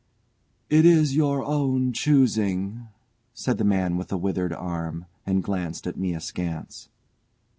"It is your own choosing," said the man with the withered arm, and glanced at me askance.